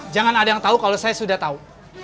jangan ada yang tahu kalau saya sudah tahu